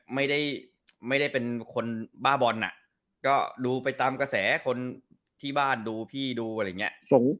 ไม่ได้ไม่ได้เป็นคนบ้าบอลอ่ะก็ดูไปตามกระแสคนที่บ้านดูพี่ดูอะไรอย่างนี้